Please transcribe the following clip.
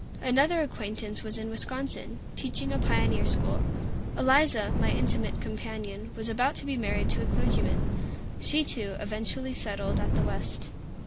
Another acquaintance was in Wisconsin, teaching a pioneer school. Eliza, my intimate companion, was about to be married to a clergyman. She, too, eventually settled at the West.